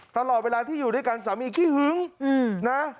ตลอดเวลาที่อยู่ด้วยกันสามีขี้หึงนะ